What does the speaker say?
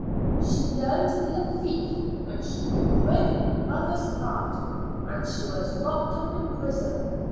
She learned to be a thief, and she broke her mother's heart, and she was locked up in prison.